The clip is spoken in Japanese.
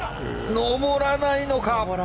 上らないのか！